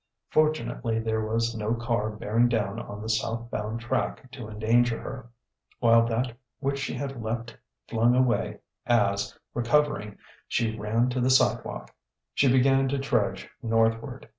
Fortunately there was no car bearing down on the southbound track to endanger her; while that which she had left flung away as, recovering, she ran to the sidewalk. She began to trudge northward.